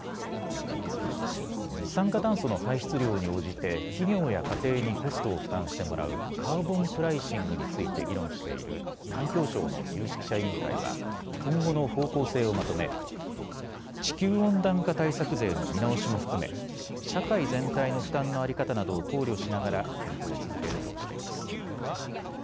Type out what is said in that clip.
二酸化炭素の排出量に応じて企業や家庭にコストを負担してもらうカーボンプライシングについて議論している環境省の有識者委員会は今後の方向性をまとめ地球温暖化対策税の見直しも含め社会全体の負担の在り方などを考慮しながら検討を続けるとしています。